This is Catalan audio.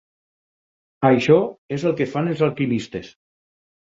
Això és el que fan els alquimistes.